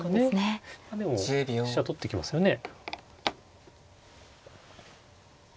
でも飛車取ってきますよね。